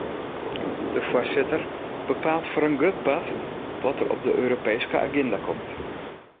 De foarsitter bepaalt foar in grut part wat der op de Europeeske aginda komt.